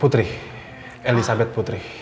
putri elisabeth putri